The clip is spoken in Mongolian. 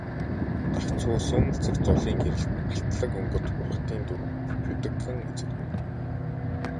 Гагцхүү сүүмэлзэх зулын гэрэлд алтлаг өнгөт бурхдын дүр бүдэгхэн үзэгдэнэ.